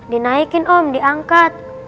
dinaikin om diangkat